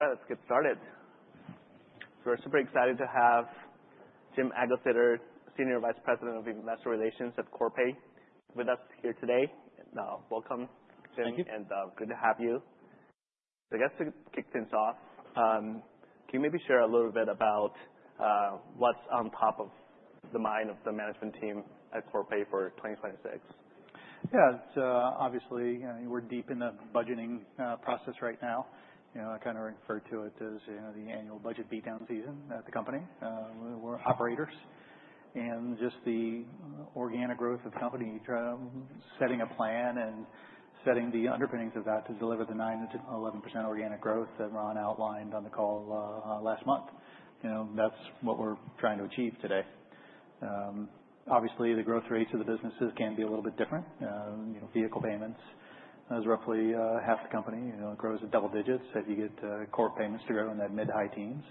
Let's get started. So we're super excited to have Jim Eglseder, Senior Vice President of Investor Relations at Corpay with us here today. Welcome, Jim. Thank you. Good to have you. I guess to kick things off, can you maybe share a little bit about what's on top of mind of the management team at Corpay for 2026? Yeah. It's obviously, you know, we're deep in the budgeting process right now. You know, I kinda refer to it as, you know, the annual budget beat-down season at the company. We're operators, and just the organic growth of the company, try setting a plan and setting the underpinnings of that to deliver the 9%-11% organic growth that Ron outlined on the call last month. You know, that's what we're trying to achieve today. Obviously, the growth rates of the businesses can be a little bit different. You know, vehicle payments, that's roughly half the company. You know, it grows at double digits. So if you get corporate payments to grow in that mid-high teens,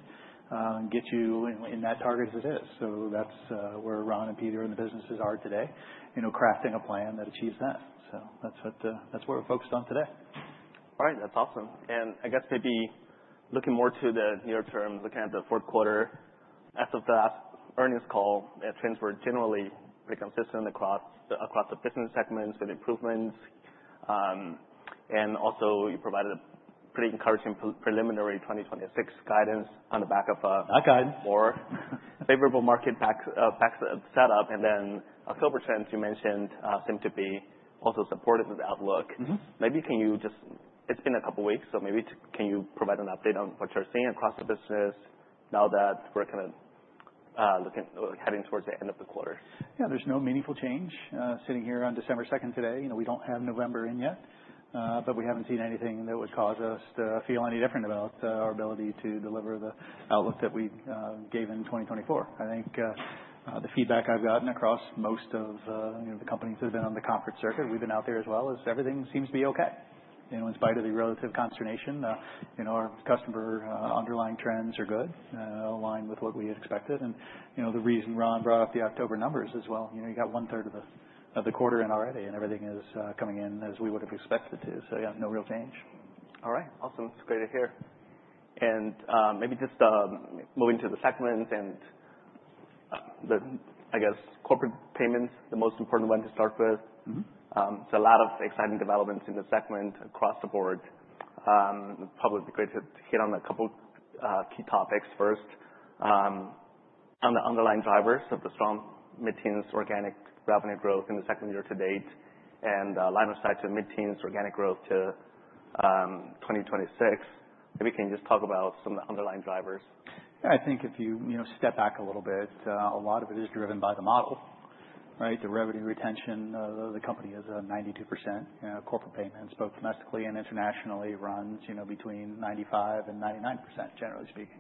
that'll get you, you know, in that target as it is. So that's where Ron and Peter and the businesses are today, you know, crafting a plan that achieves that. So that's what we're focused on today. All right. That's awesome. And I guess maybe looking more to the near term, looking at the fourth quarter, as of the last earnings call, the trends were generally pretty consistent across, across the business segments with improvements, and also you provided a pretty encouraging preliminary 2026 guidance on the back of, That guidance. More favorable market packs. Packs set up. And then October trends you mentioned seem to be also supportive of the outlook. Mm-hmm. Maybe can you just, it's been a couple weeks, so maybe can you provide an update on what you're seeing across the business now that we're kinda looking heading towards the end of the quarter? Yeah. There's no meaningful change, sitting here on December 2nd today. You know, we don't have November in yet, but we haven't seen anything that would cause us to feel any different about our ability to deliver the outlook that we gave in 2024. I think the feedback I've gotten across most of, you know, the companies that have been on the conference circuit, we've been out there as well is everything seems to be okay. You know, in spite of the relative consternation, you know, our customer underlying trends are good, aligned with what we had expected. And, you know, the reason Ron brought up the October numbers as well, you know, you got one-third of the quarter in already, and everything is coming in as we would have expected to. So yeah, no real change. All right. Awesome. It's great to hear, and maybe just moving to the segments and, I guess, corporate payments, the most important one to start with. Mm-hmm. So, a lot of exciting developments in the segment across the board. Probably would be great to hit on a couple of key topics first. On the underlying drivers of the strong mid-teens organic revenue growth in the second year to date and line of sight to mid-teens organic growth to 2026. Maybe you can just talk about some of the underlying drivers? Yeah. I think if you, you know, step back a little bit, a lot of it is driven by the model, right? The revenue retention, the company is 92%. You know, corporate payments, both domestically and internationally, runs, you know, between 95%-99%, generally speaking.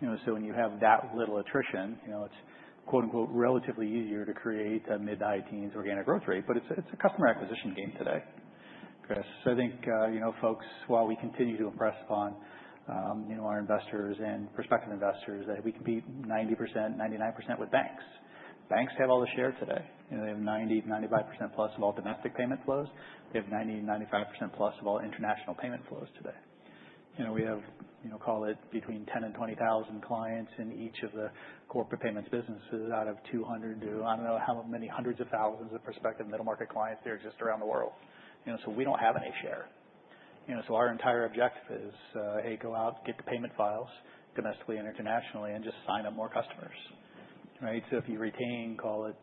You know, so when you have that little attrition, you know, it's quote-unquote relatively easier to create a mid-teens organic growth rate, but it's a customer acquisition game today, Chris. So I think, you know, folks, while we continue to impress upon, you know, our investors and prospective investors that we can be 90%-99% with banks. Banks have all the share today. You know, they have 90%-95%+ of all domestic payment flows. They have 90%-95%+ of all international payment flows today. You know, we have, you know, call it between 10 and 20 thousand clients in each of the corporate payments businesses out of 200 to I don't know how many hundreds of thousands of prospective middle market clients there exist around the world. You know, so we don't have any share. You know, so our entire objective is, hey, go out, get the payment files domestically and internationally, and just sign up more customers, right? So if you retain, call it,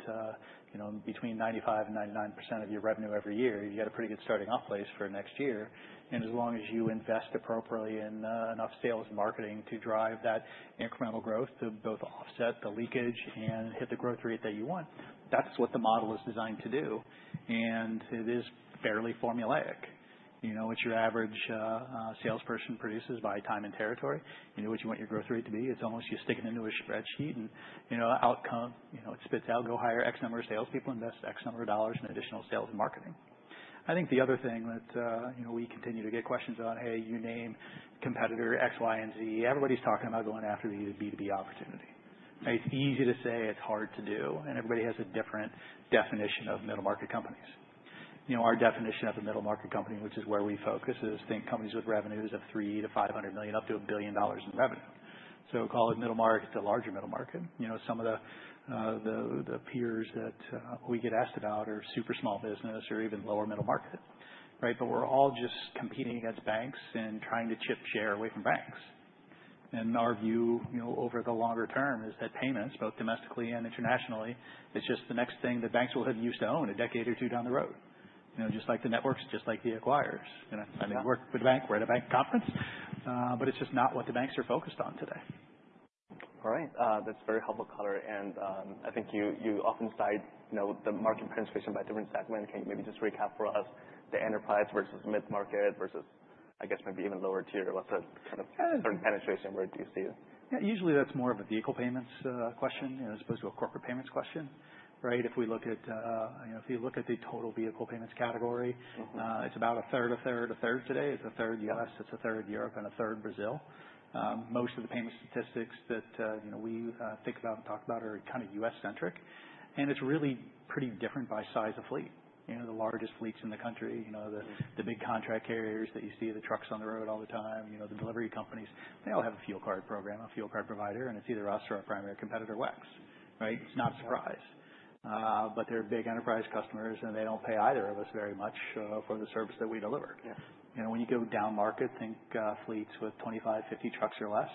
you know, between 95% and 99% of your revenue every year, you've got a pretty good starting off place for next year. And as long as you invest appropriately in, enough sales and marketing to drive that incremental growth to both offset the leakage and hit the growth rate that you want, that's what the model is designed to do. And it is fairly formulaic. You know, what your average salesperson produces by time and territory, you know, what you want your growth rate to be, it's almost you stick it into a spreadsheet and, you know, outcome, you know, it spits out, go hire X number of salespeople, invest X number of dollars in additional sales and marketing. I think the other thing that, you know, we continue to get questions on, hey, you name competitor X, Y, and Z, everybody's talking about going after the B2B opportunity. It's easy to say, it's hard to do, and everybody has a different definition of middle market companies. You know, our definition of a middle market company, which is where we focus, is think companies with revenues of $300 million-$500 million, up to $1 billion in revenue. So call it middle market to larger middle market. You know, some of the peers that we get asked about are super small business or even lower middle market, right? But we're all just competing against banks and trying to chip share away from banks. And our view, you know, over the longer term is that payments, both domestically and internationally, it's just the next thing that banks will have used to own a decade or two down the road. You know, just like the networks, just like the acquirers. You know, I mean, work with a bank, we're at a bank conference. But it's just not what the banks are focused on today. All right. That's very helpful voloc. And I think you, you often cite, you know, the market penetration by different segments. Can you maybe just recap for us the enterprise versus mid-market versus, I guess, maybe even lower tier? What's the kind of certain penetration? Where do you see it? Yeah. Usually that's more of a vehicle payments question, you know, as opposed to a corporate payments question, right? If we look at, you know, if you look at the total vehicle payments category. Mm-hmm. It's about a third, a third, a third today. It's a third U.S., it's a third Europe, and a third Brazil. Most of the payment statistics that you know we think about and talk about are kind of U.S.-centric, and it's really pretty different by size of fleet. You know, the largest fleets in the country, you know, the big contract carriers that you see the trucks on the road all the time, you know, the delivery companies, they all have a fuel card program, a fuel card provider, and it's either us or our primary competitor, WEX, right? It's not a surprise, but they're big enterprise customers, and they don't pay either of us very much for the service that we deliver. Yeah. You know, when you go down market, think, fleets with 25-50 trucks or less,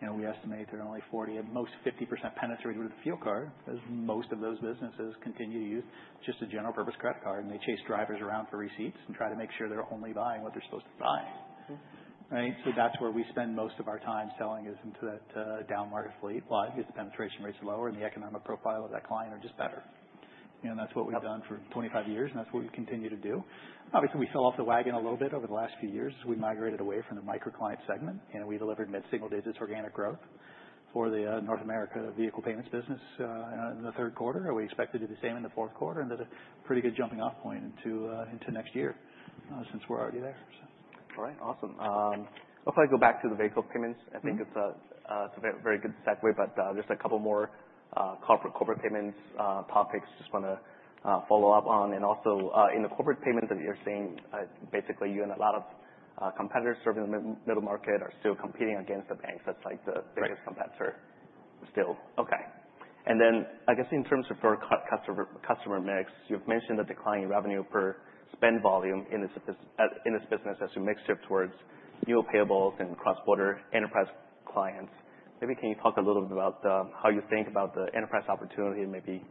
you know, we estimate they're only 40%, at most 50% penetrated with a fuel card as most of those businesses continue to use just a general purpose credit card, and they chase drivers around for receipts and try to make sure they're only buying what they're supposed to be buying, right? So that's where we spend most of our time selling is into that, down market fleet while I think the penetration rates are lower and the economic profile of that client are just better. You know, and that's what we've done for 25 years, and that's what we continue to do. Obviously, we fell off the wagon a little bit over the last few years as we migrated away from the micro-client segment, and we delivered mid-single digits organic growth for the North America vehicle payments business in the third quarter. We expected to do the same in the fourth quarter, and that's a pretty good jumping-off point into next year, since we're already there, so. All right. Awesome. Before I go back to the vehicle payments, I think it's a very good segue, but just a couple more corporate payments topics I just wanna follow up on. And also, in the corporate payments that you're seeing, basically you and a lot of competitors serving the middle market are still competing against the banks. That's like the biggest competitor still. Okay. And then I guess in terms of your customer mix, you've mentioned the declining revenue per spend volume in this business as you make the shift towards new payables and cross-border enterprise clients. Maybe can you talk a little bit about how you think about the enterprise opportunity and maybe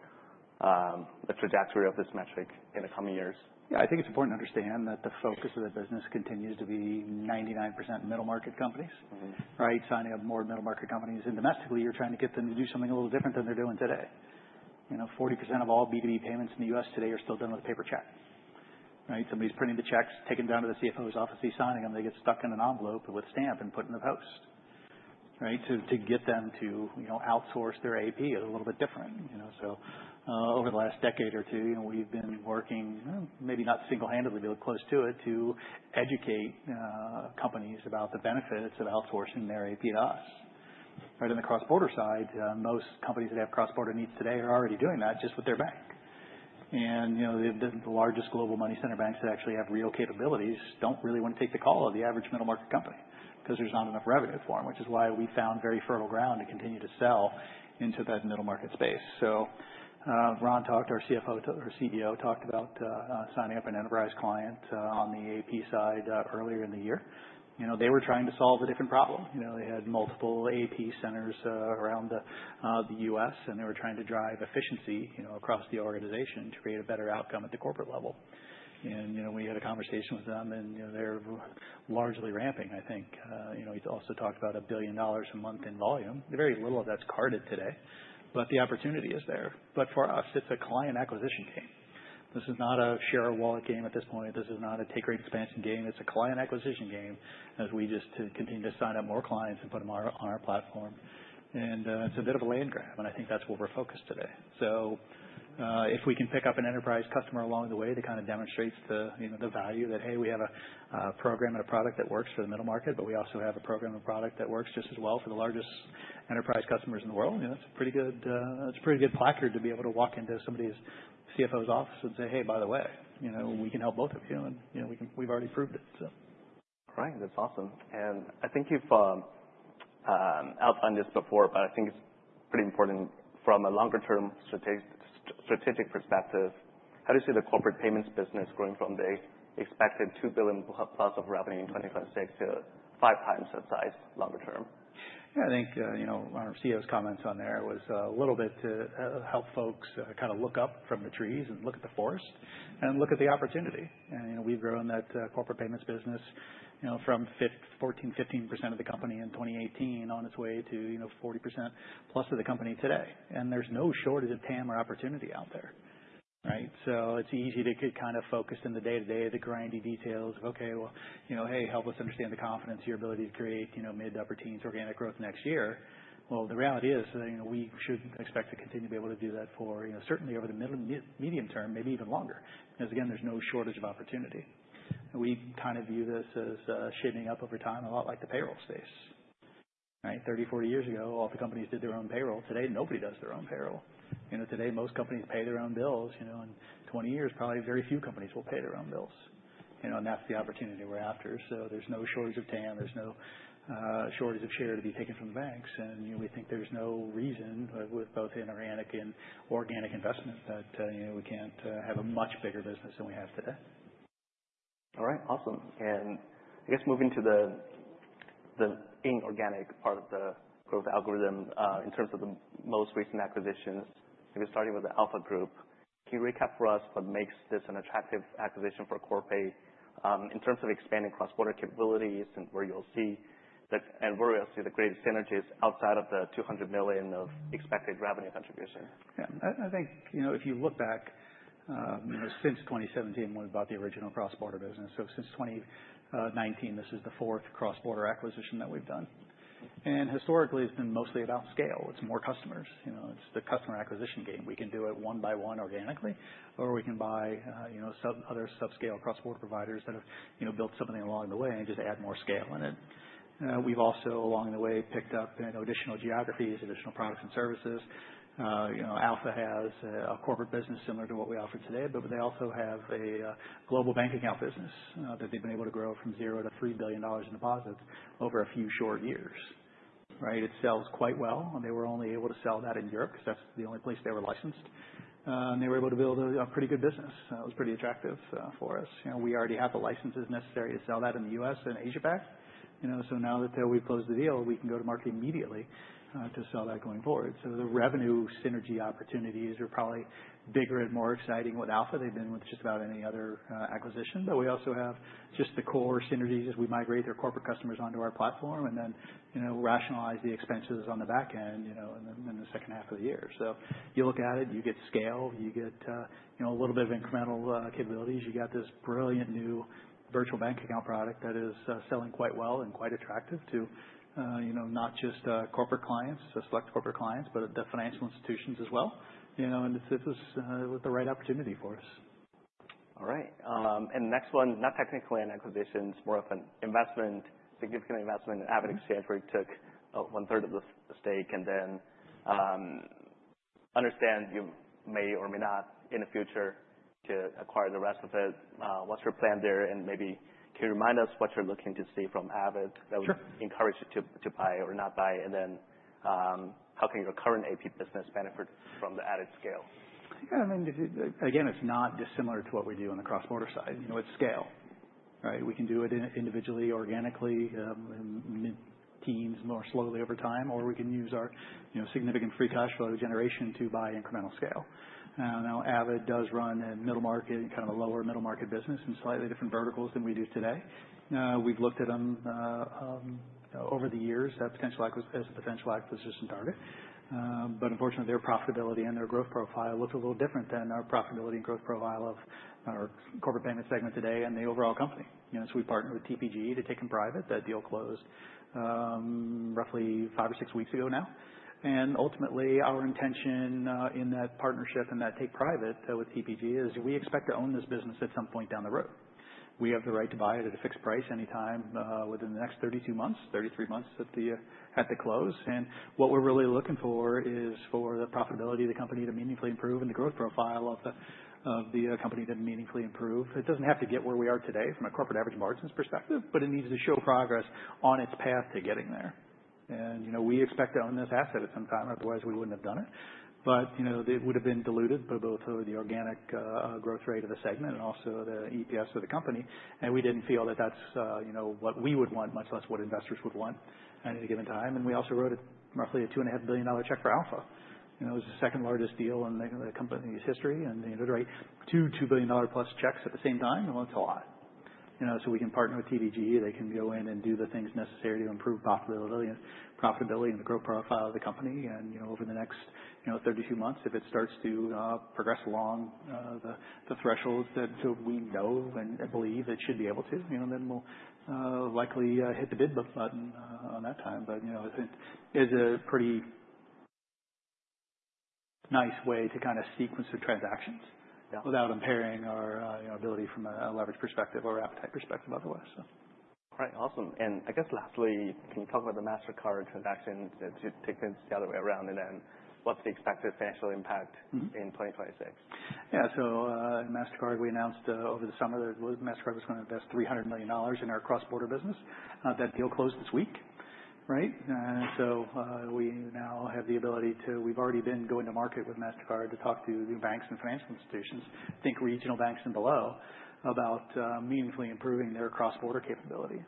the trajectory of this metric in the coming years? Yeah. I think it's important to understand that the focus of the business continues to be 99% Middle Market companies. Mm-hmm. Right? Signing up more middle market companies. And domestically, you're trying to get them to do something a little different than they're doing today. You know, 40% of all B2B payments in the U.S. today are still done with paper check, right? Somebody's printing the checks, taking them down to the CFO's office, he's signing them, they get stuck in an envelope with stamp and put in the post, right? To get them to, you know, outsource their AP is a little bit different, you know? So, over the last decade or two, you know, we've been working, maybe not single-handedly, but close to it, to educate companies about the benefits of outsourcing their AP to us, right? On the cross-border side, most companies that have cross-border needs today are already doing that just with their bank. You know, the largest global money center banks that actually have real capabilities don't really wanna take the call of the average middle market company 'cause there's not enough revenue for them, which is why we found very fertile ground to continue to sell into that middle market space. So, Ron talked to our CFO, our CEO talked about signing up an enterprise client on the AP side earlier in the year. You know, they were trying to solve a different problem. You know, they had multiple AP centers around the U.S., and they were trying to drive efficiency, you know, across the organization to create a better outcome at the corporate level. You know, we had a conversation with them, and, you know, they're largely ramping, I think. You know, he's also talked about $1 billion a month in volume. Very little of that's carded today, but the opportunity is there. But for us, it's a client acquisition game. This is not a share of wallet game at this point. This is not a take rate expansion game. It's a client acquisition game as we just continue to sign up more clients and put them on our platform. And, it's a bit of a land grab, and I think that's where we're focused today. If we can pick up an enterprise customer along the way that kind of demonstrates the, you know, the value that, hey, we have a, a program and a product that works for the middle market, but we also have a program and product that works just as well for the largest enterprise customers in the world, you know, that's a pretty good, that's a pretty good placard to be able to walk into somebody's CFO's office and say, "Hey, by the way, you know, we can help both of you, and, you know, we can, we've already proved it. All right. That's awesome. And I think you've outlined this before, but I think it's pretty important from a longer-term strategic perspective. How do you see the corporate payments business growing from the expected $2+ billion of revenue in 2026 to 5 times that size longer term? Yeah. I think, you know, one of our CEO's comments on there was a little bit to help folks kind of look up from the trees and look at the forest and look at the opportunity. And, you know, we've grown that corporate payments business, you know, from 14%-15% of the company in 2018 on its way to, you know, 40%+ of the company today. And there's no shortage of time or opportunity out there, right? So it's easy to get kind of focused in the day-to-day, the grindy details of, "Okay. Well, you know, hey, help us understand the confidence, your ability to create, you know, mid to upper teens organic growth next year." Well, the reality is that, you know, we should expect to continue to be able to do that for, you know, certainly over the middle and mid-medium term, maybe even longer because, again, there's no shortage of opportunity. We kind of view this as, shaping up over time a lot like the payroll space, right? 30, 40 years ago, all the companies did their own payroll. Today, nobody does their own payroll. You know, today, most companies pay their own bills, you know, and 20 years, probably very few companies will pay their own bills, you know, and that's the opportunity we're after. So there's no shortage of time. There's no, shortage of share to be taken from the banks. You know, we think there's no reason with both inorganic and organic investment that, you know, we can't have a much bigger business than we have today. All right. Awesome. And I guess moving to the inorganic part of the growth algorithm, in terms of the most recent acquisitions, maybe starting with the Alpha Group, can you recap for us what makes this an attractive acquisition for Corpay, in terms of expanding cross-border capabilities and where you'll see the greatest synergies outside of the $200 million of expected revenue contribution? Yeah. I think, you know, if you look back, you know, since 2017, we're about the original cross-border business. So since 2019, this is the fourth cross-border acquisition that we've done. And historically, it's been mostly about scale. It's more customers. You know, it's the customer acquisition game. We can do it one by one organically, or we can buy, you know, other subscale cross-border providers that have, you know, built something along the way and just add more scale in it. We've also, along the way, picked up, you know, additional geographies, additional products and services. You know, Alpha has a corporate business similar to what we offer today, but they also have a global bank account business that they've been able to grow from 0 to $3 billion in deposits over a few short years, right? It sells quite well. They were only able to sell that in Europe 'cause that's the only place they were licensed, and they were able to build a pretty good business. It was pretty attractive for us. You know, we already have the licenses necessary to sell that in the U.S. and Asia-Pac, you know? So now that we've closed the deal, we can go to market immediately to sell that going forward. So the revenue synergy opportunities are probably bigger and more exciting with Alpha. They've been with just about any other acquisition. But we also have just the core synergies as we migrate their corporate customers onto our platform and then, you know, rationalize the expenses on the back end, you know, in the second half of the year. So you look at it, you get scale, you get, you know, a little bit of incremental capabilities. You got this brilliant new virtual bank account product that is selling quite well and quite attractive to, you know, not just corporate clients, select corporate clients, but the financial institutions as well, you know. And this is with the right opportunity for us. All right. And the next one, not technically an acquisition, it's more of an investment, significant investment in AvidXchange where you took a one-third of the stake and then, I understand you may or may not in the future to acquire the rest of it. What's your plan there? And maybe can you remind us what you're looking to see from AvidXchange that would. Sure. Encourage you to buy or not buy? And then, how can your current AP business benefit from the added scale? Yeah. I mean, again, it's not dissimilar to what we do on the cross-border side. You know, it's scale, right? We can do it individually, organically, in mid-teens more slowly over time, or we can use our, you know, significant free cash flow generation to buy incremental scale. Now Avid does run a middle market and kind of a lower middle market business in slightly different verticals than we do today. We've looked at them, you know, over the years as a potential acquisition target. But unfortunately, their profitability and their growth profile looked a little different than our profitability and growth profile of our corporate payment segment today and the overall company. You know, so we partnered with TPG to take them private. That deal closed, roughly five or six weeks ago now. Ultimately, our intention in that partnership and that take private with TPG is we expect to own this business at some point down the road. We have the right to buy it at a fixed price anytime within the next 32 months, 33 months at the close. What we're really looking for is for the profitability of the company to meaningfully improve and the growth profile of the company to meaningfully improve. It doesn't have to get where we are today from a corporate average margins perspective, but it needs to show progress on its path to getting there. You know, we expect to own this asset at some time. Otherwise, we wouldn't have done it. You know, it would've been diluted by both the organic growth rate of the segment and also the EPS of the company. We didn't feel that that's, you know, what we would want, much less what investors would want at any given time. We also wrote a roughly $2.5 billion check for Alpha. You know, it was the second largest deal in the company's history. To write two $2+ billion checks at the same time, well, it's a lot, you know? We can partner with TPG. They can go in and do the things necessary to improve profitability and the growth profile of the company. Over the next 32 months, if it starts to progress along the thresholds that we know and believe it should be able to, you know, then we'll likely hit the bid button on that time. But you know, it is a pretty nice way to kind of sequence the transactions. Yeah. Without impairing our, you know, ability from a leverage perspective or appetite perspective otherwise, so. All right. Awesome. And I guess lastly, can you talk about the Mastercard transaction to take things the other way around? And then what's the expected financial impact in 2026? Yeah. So, Mastercard, we announced over the summer that Mastercard was gonna invest $300 million in our cross-border business. That deal closed this week, right? So, we now have the ability to, we've already been going to market with Mastercard to talk to new banks and financial institutions, think regional banks and below, about meaningfully improving their cross-border capability,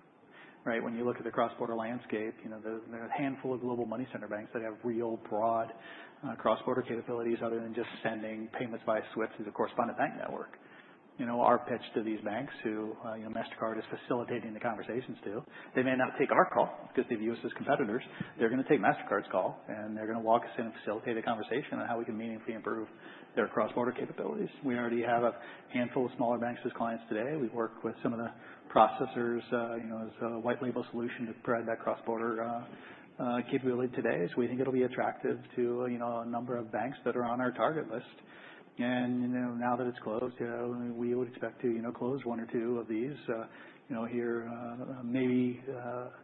right? When you look at the cross-border landscape, you know, there's a handful of global money center banks that have real broad cross-border capabilities other than just sending payments via SWIFT through the correspondent bank network. You know, our pitch to these banks who, you know, Mastercard is facilitating the conversations to, they may not take our call 'cause they view us as competitors. They're gonna take Mastercard's call, and they're gonna walk us in and facilitate a conversation on how we can meaningfully improve their cross-border capabilities. We already have a handful of smaller banks as clients today. We work with some of the processors, you know, as a white label solution to provide that cross-border capability today. So we think it'll be attractive to, you know, a number of banks that are on our target list. And, you know, now that it's closed, you know, we would expect to, you know, close one or two of these, you know, here, maybe,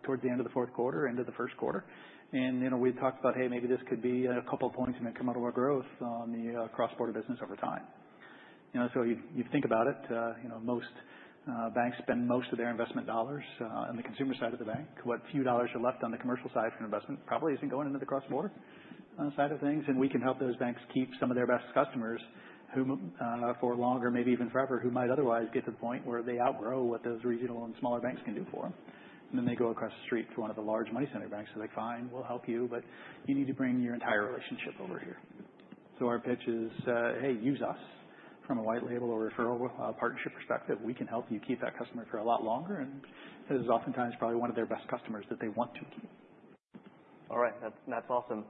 towards the end of the fourth quarter, end of the first quarter. And, you know, we've talked about, hey, maybe this could be a couple points in incremental growth on the cross-border business over time. You know, so you think about it, you know, most banks spend most of their investment dollars on the consumer side of the bank. What few dollars are left on the commercial side for investment probably isn't going into the cross-border side of things, and we can help those banks keep some of their best customers whom for longer, maybe even forever, who might otherwise get to the point where they outgrow what those regional and smaller banks can do for them, and then they go across the street to one of the large money center banks and they're like, "Fine, we'll help you, but you need to bring your entire relationship over here." So our pitch is, hey, use us from a white label or referral, partnership perspective. We can help you keep that customer for a lot longer and is oftentimes probably one of their best customers that they want to keep. All right. That's, that's awesome.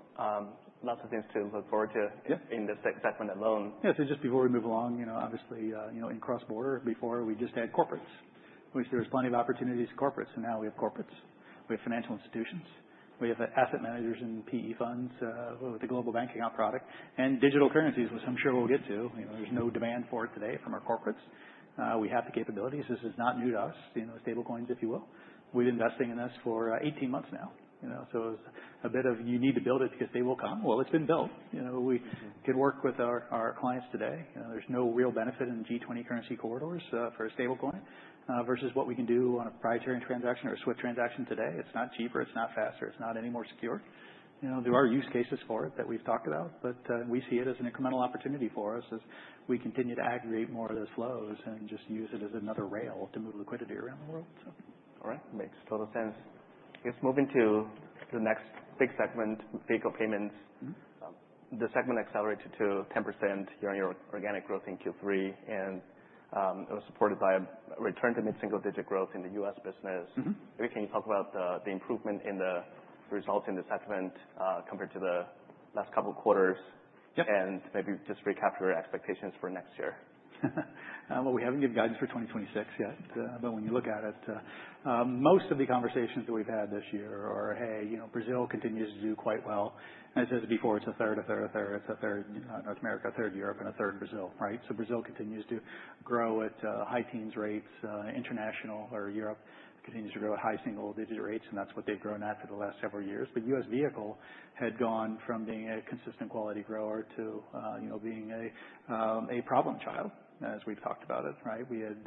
Lots of things to look forward to. Yeah. In this segment alone. Yeah. So just before we move along, you know, obviously, you know, in cross-border, before we just had corporates, which there was plenty of opportunities for corporates. And now we have corporates. We have financial institutions. We have asset managers and PE funds, with the global bank account product and digital currencies, which I'm sure we'll get to. You know, there's no demand for it today from our corporates. We have the capabilities. This is not new to us, you know, stablecoins, if you will. We've been investing in this for 18 months now, you know? So it was a bit of you need to build it because they will come. It's been built. You know, we can work with our clients today. You know, there's no real benefit in G20 currency corridors for a stablecoin versus what we can do on a proprietary transaction or a SWIFT transaction today. It's not cheaper. It's not faster. It's not any more secure. You know, there are use cases for it that we've talked about, but we see it as an incremental opportunity for us as we continue to aggregate more of those flows and just use it as another rail to move liquidity around the world, so. All right. Makes total sense. I guess moving to the next big segment, vehicle payments. Mm-hmm. The segment accelerated to 10% year-over-year organic growth in Q3. It was supported by a return to mid-single-digit growth in the U.S. business. Mm-hmm. Maybe can you talk about the improvement in the results in the segment, compared to the last couple quarters? Yep. Maybe just recapture expectations for next year. Well, we haven't given guidance for 2026 yet, but when you look at it, most of the conversations that we've had this year are, hey, you know, Brazil continues to do quite well. As I said before, it's a third, a third, a third. It's a third, North America, a third Europe, and a third Brazil, right? So Brazil continues to grow at high-teens rates. International or Europe continues to grow at high-single-digit rates, and that's what they've grown at for the last several years. But U.S. vehicle had gone from being a consistent quality grower to, you know, being a problem child as we've talked about it, right? We had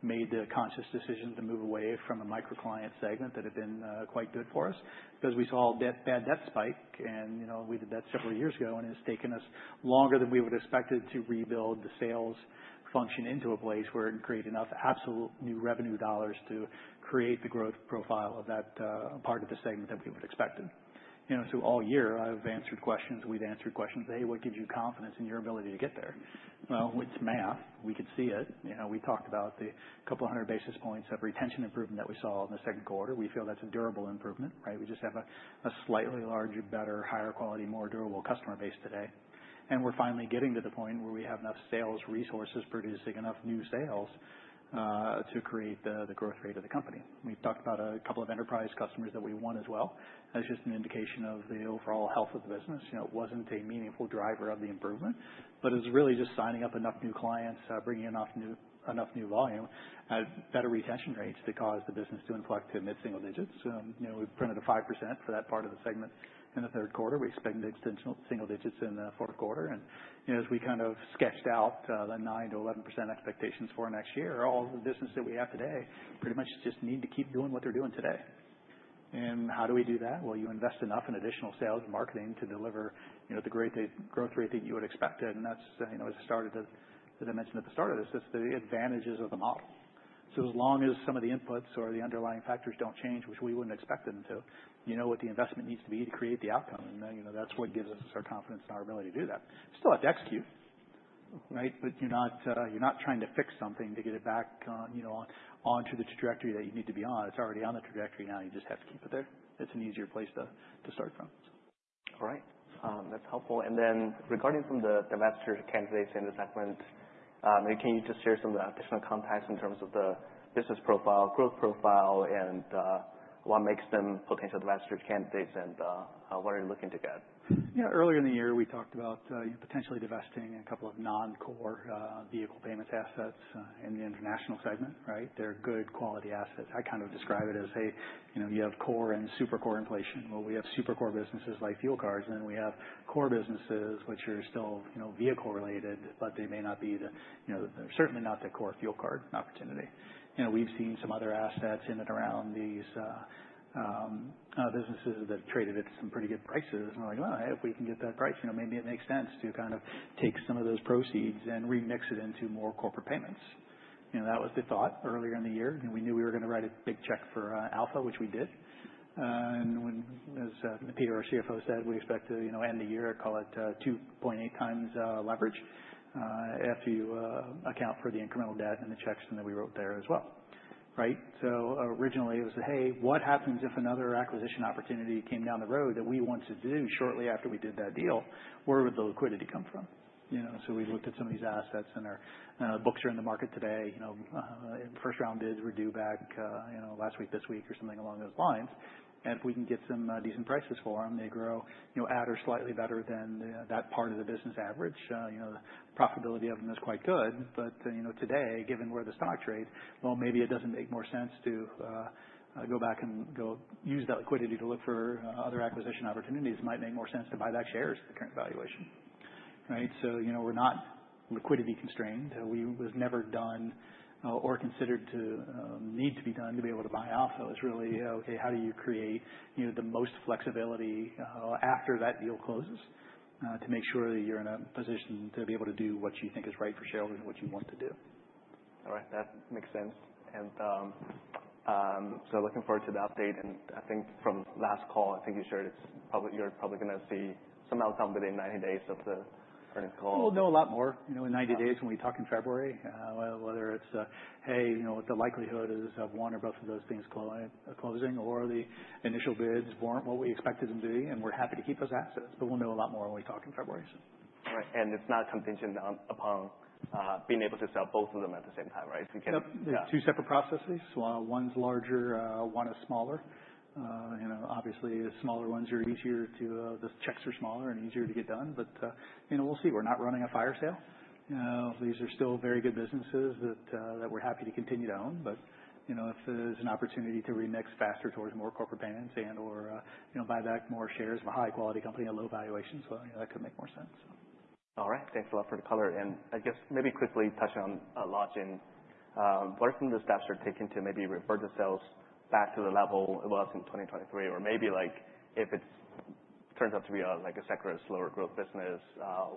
made the conscious decision to move away from a micro-client segment that had been quite good for us because we saw a bad debt spike. And, you know, we did that several years ago, and it's taken us longer than we would have expected to rebuild the sales function into a place where it can create enough absolute new revenue dollars to create the growth profile of that, part of the segment that we would have expected. You know, so all year, I've answered questions. We've answered questions. Hey, what gives you confidence in your ability to get there? Well, it's math. We could see it. You know, we talked about the couple hundred basis points of retention improvement that we saw in the second quarter. We feel that's a durable improvement, right? We just have a slightly larger, better, higher quality, more durable customer base today. And we're finally getting to the point where we have enough sales resources producing enough new sales, to create the growth rate of the company. We've talked about a couple of enterprise customers that we won as well as just an indication of the overall health of the business. You know, it wasn't a meaningful driver of the improvement, but it was really just signing up enough new volume, better retention rates that caused the business to inflect to mid-single digits. You know, we printed a 5% for that part of the segment in the third quarter. We expected low-single digits in the fourth quarter. You know, as we kind of sketched out, the 9%-11% expectations for next year, all the business that we have today pretty much just need to keep doing what they're doing today. And how do we do that? Well, you invest enough in additional sales and marketing to deliver, you know, the great rate growth rate that you would have expected. And that's, you know, as I started that I mentioned at the start of this, it's the advantages of the model. So as long as some of the inputs or the underlying factors don't change, which we wouldn't have expected them to, you know what the investment needs to be to create the outcome. And then, you know, that's what gives us our confidence in our ability to do that. Still have to execute, right? But you're not, you're not trying to fix something to get it back on, you know, onto the trajectory that you need to be on. It's already on the trajectory now. You just have to keep it there. It's an easier place to start from, so. All right. That's helpful. Then regarding some of the M&A candidates in the segment, maybe can you just share some of the additional context in terms of the business profile, growth profile, and what makes them potential acquisition candidates and what are you looking to get? Yeah. Earlier in the year, we talked about, you know, potentially divesting a couple of non-core, vehicle payments assets, in the international segment, right? They're good quality assets. I kind of describe it as, hey, you know, you have core and super core inflation. Well, we have super core businesses like fuel cards, and then we have core businesses which are still, you know, vehicle related, but they may not be the, you know, they're certainly not the core fuel card opportunity. You know, we've seen some other assets in and around these, businesses that traded at some pretty good prices. And we're like, well, hey, if we can get that price, you know, maybe it makes sense to kind of take some of those proceeds and remix it into more corporate payments. You know, that was the thought earlier in the year. You know, we knew we were gonna write a big check for Alpha, which we did, and, as Peter, our CFO, said, we expect to, you know, end the year, call it, 2.8 times leverage, after you account for the incremental debt and the checks that we wrote there as well, right? So originally it was, hey, what happens if another acquisition opportunity came down the road that we wanted to do shortly after we did that deal? Where would the liquidity come from? You know, so we looked at some of these assets, and our books are in the market today. You know, first round bids were due back, you know, last week, this week, or something along those lines. And if we can get some decent prices for them, they grow, you know, at or slightly better than that part of the business average. You know, the profitability of them is quite good. But, you know, today, given where the stock trades, well, maybe it doesn't make more sense to go back and go use that liquidity to look for other acquisition opportunities. It might make more sense to buy back shares at the current valuation, right? So, you know, we're not liquidity constrained. It was never done or considered to need to be done to be able to buy Alpha. It was really, okay, how do you create, you know, the most flexibility after that deal closes, to make sure that you're in a position to be able to do what you think is right for shareholders and what you want to do. All right. That makes sense. And so, looking forward to the update. And I think from last call, I think you shared it's probably you're probably gonna see some outcome within 90 days of the earnings call. We'll know a lot more, you know, in 90 days when we talk in February, whether it's, hey, you know, what the likelihood is of one or both of those things closing or the initial bids weren't what we expected them to be. And we're happy to keep those assets, but we'll know a lot more when we talk in February, so. All right. And it's not contingent upon being able to sell both of them at the same time, right? You can. Yep. There's two separate processes. One's larger, one is smaller. You know, obviously the smaller ones are easier to—the checks are smaller and easier to get done. But, you know, we'll see. We're not running a fire sale. These are still very good businesses that we're happy to continue to own. But, you know, if there's an opportunity to remix faster towards more corporate payments and/or, you know, buy back more shares of a high-quality company at low valuations, well, you know, that could make more sense, so. All right. Thanks a lot for the color. And I guess maybe quickly touch on a lot in, what are some of the steps you're taking to maybe revert the sales back to the level it was in 2023? Or maybe like if it turns out to be a, like a sector of slower growth business,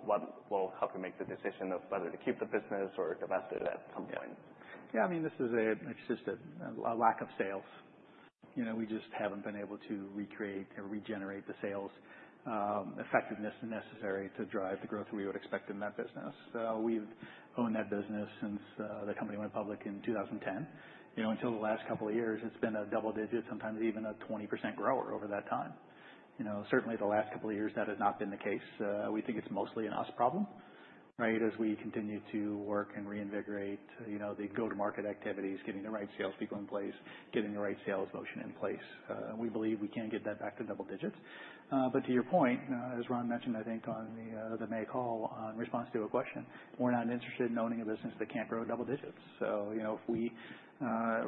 what will help you make the decision of whether to keep the business or divest it at some point? Yeah. I mean, this is, it's just a lack of sales. You know, we just haven't been able to recreate or regenerate the sales effectiveness necessary to drive the growth we would expect in that business. We've owned that business since the company went public in 2010. You know, until the last couple of years, it's been a double-digit, sometimes even a 20% grower over that time. You know, certainly the last couple of years, that has not been the case. We think it's mostly a U.S. problem, right, as we continue to work and reinvigorate, you know, the go-to-market activities, getting the right salespeople in place, getting the right sales motion in place. We believe we can get that back to double digits. But to your point, as Ron mentioned, I think on the May call, in response to a question, we're not interested in owning a business that can't grow double digits. So, you know, if we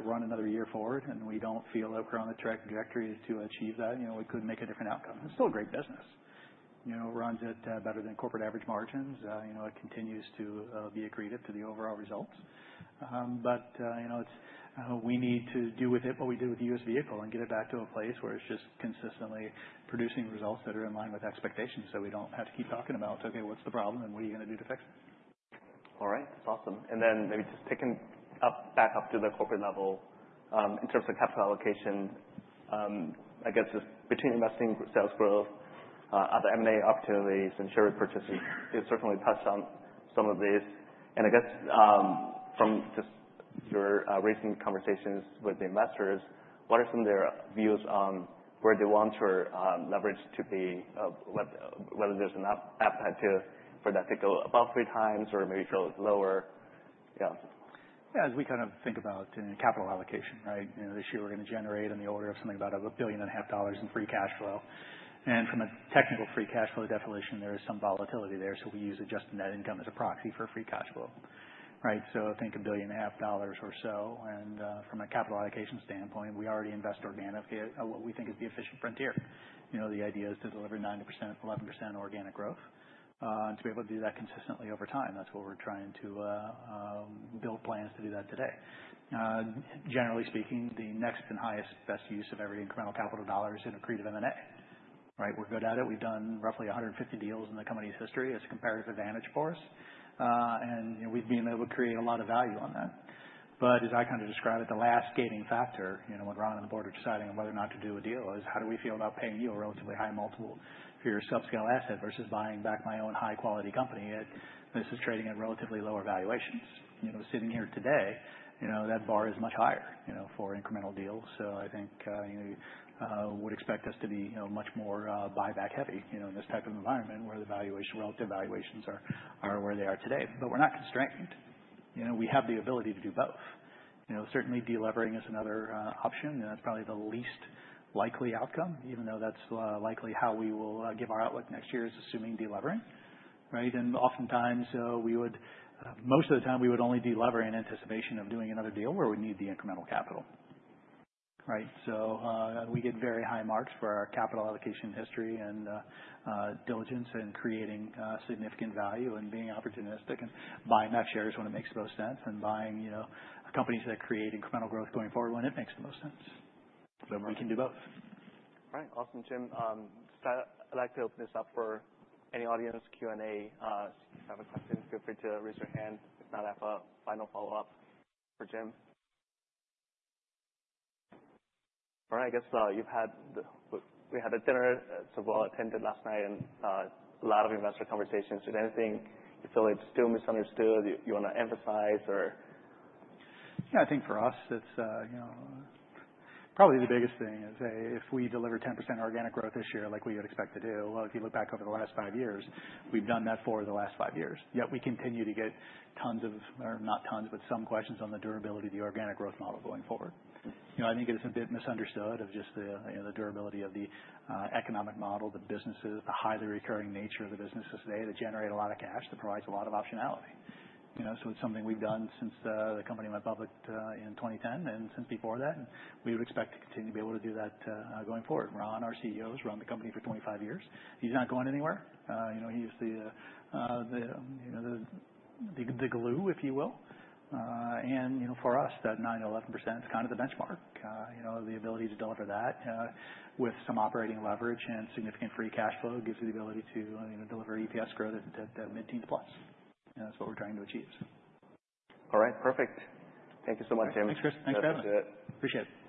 run another year forward and we don't feel that we're on a trajectory to achieve that, you know, we could make a different outcome. It's still a great business. You know, it runs at better than corporate average margins. You know, it continues to be a drag on the overall results. But, you know, it's we need to do with it what we did with U.S. vehicle and get it back to a place where it's just consistently producing results that are in line with expectations so we don't have to keep talking about, okay, what's the problem and what are you gonna do to fix it? All right. That's awesome. And then maybe just picking up back up to the corporate level, in terms of capital allocation, I guess just between investing sales growth, other M&A opportunities and share repurchases, you've certainly touched on some of these. And I guess, from just your recent conversations with the investors, what are some of their views on where they want your leverage to be, whether there's an appetite for that to go above three times or maybe go lower? Yeah. Yeah. As we kind of think about, you know, capital allocation, right? You know, this year we're gonna generate in the order of something about $1.5 billion in free cash flow. And from a technical free cash flow definition, there is some volatility there. So we use adjusted net income as a proxy for free cash flow, right? So think $1.5 billion or so. And, from a capital allocation standpoint, we already invest organically, what we think is the efficient frontier. You know, the idea is to deliver 90%, 11% organic growth, and to be able to do that consistently over time. That's what we're trying to build plans to do that today. Generally speaking, the next and highest best use of every incremental capital dollar is in a creative M&A, right? We're good at it. We've done roughly 150 deals in the company's history. It's a comparative advantage for us, and, you know, we've been able to create a lot of value on that. But as I kind of describe it, the last gating factor, you know, when Ron and the board are deciding on whether or not to do a deal is how do we feel about paying you a relatively high multiple for your subscale asset versus buying back my own high-quality company at this is trading at relatively lower valuations. You know, sitting here today, you know, that bar is much higher, you know, for incremental deals. So I think, you know, would expect us to be, you know, much more, buyback heavy, you know, in this type of environment where the valuation relative valuations are, are where they are today. But we're not constrained. You know, we have the ability to do both. You know, certainly delevering is another option. You know, that's probably the least likely outcome, even though that's likely how we will give our outlook next year is assuming delevering, right? And oftentimes, we would, most of the time we would only delever in anticipation of doing another deal where we need the incremental capital, right? So, we get very high marks for our capital allocation history and diligence in creating significant value and being opportunistic and buying back shares when it makes the most sense and buying, you know, companies that create incremental growth going forward when it makes the most sense. So we can do both. All right. Awesome, Jim. So I'd like to open this up for any audience Q&A. If you have a question, feel free to raise your hand. If not, I have a final follow-up for Jim. All right. I guess you've had – we had a dinner so well attended last night and a lot of investor conversations. Is there anything you feel it's still misunderstood you wanna emphasize or? Yeah. I think for us it's, you know, probably the biggest thing is, hey, if we deliver 10% organic growth this year like we would expect to do, well, if you look back over the last five years, we've done that for the last five years. Yet we continue to get tons of, or not tons, but some questions on the durability of the organic growth model going forward. You know, I think it is a bit misunderstood of just the, you know, the durability of the, economic model, the businesses, the highly recurring nature of the businesses today that generate a lot of cash that provides a lot of optionality. You know, so it's something we've done since, the company went public, in 2010 and since before that. And we would expect to continue to be able to do that, going forward. Ron, our CEO's run the company for 25 years. He's not going anywhere. You know, he's the, you know, the glue, if you will. And you know, for us, that 9%-11% is kind of the benchmark. You know, the ability to deliver that, with some operating leverage and significant free cash flow gives you the ability to, you know, deliver EPS growth at mid-teen to plus. And that's what we're trying to achieve. All right. Perfect. Thank you so much, Jim. Thanks, Chris. Thanks. That was it. Appreciate it.